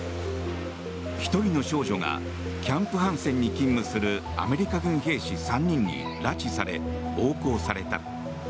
１人の少女がキャンプ・ハンセンに勤務するアメリカ軍兵士３人に拉致され暴行された。